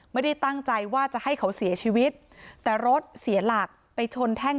ไม่ได้ตั้งใจว่าจะให้เขาเสียชีวิตแต่รถเสียหลักไปชนแท่ง